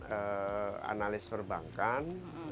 eee analis perbankan